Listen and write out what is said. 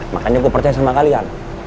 makanya gue percaya sama kalian